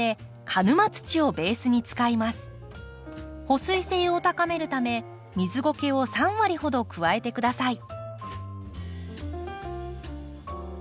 保水性を高めるため水ごけを３割ほど加えて下さい。